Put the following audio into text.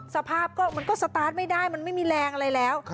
สภาพก็มันก็สตาร์ทไม่ได้มันไม่มีแรงอะไรแล้ว